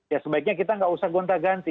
ya sebaiknya kita nggak usah gonta ganti